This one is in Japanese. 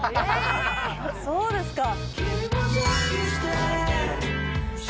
そうですか。